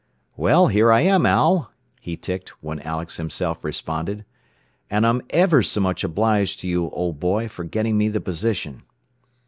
"Well, here I am, Al," he ticked, when Alex himself responded. "And I'm ever so much obliged to you, old boy, for getting me the position."